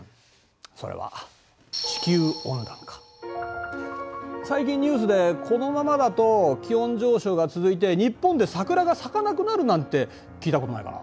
それは最近ニュースでこのままだと気温上昇が続いて日本で桜が咲かなくなるなんて聞いたことないかな？